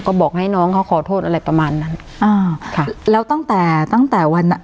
ก็บอกให้น้องเขาขอโทษอะไรประมาณนั้นอ่าค่ะแล้วตั้งแต่ตั้งแต่วันอ่ะ